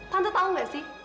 tante tahu nggak sih